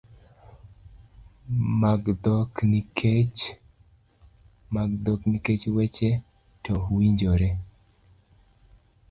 mag dhok nikech weche to winjore